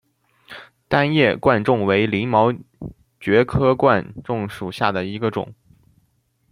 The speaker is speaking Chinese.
单叶贯众为鳞毛蕨科贯众属下的一个种。